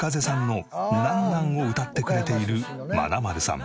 を歌ってくれているまなまるさん。